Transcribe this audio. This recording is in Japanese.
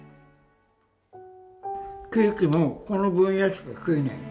ケーキもこの分野しか食えないの。